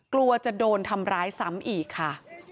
กลัวจะโดนทำร้ายซ้ำอีกค่ะ